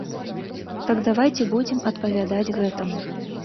Так давайце будзем адпавядаць гэтаму.